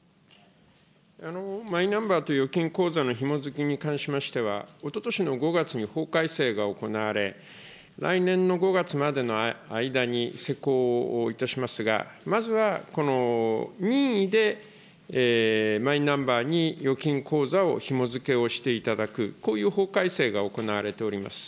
マイナンバーと預金口座のひもづけに関しましては、おととしの５月に法改正が行われ、来年の５月までの間に施行をいたしますが、まずはこの任意でマイナンバーに預金口座をひも付けをしていただく、こういう法改正が行われております。